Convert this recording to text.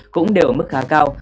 cũng đều ở mức khá cao